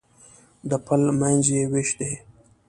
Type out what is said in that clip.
د پل منځ یې وېش دی.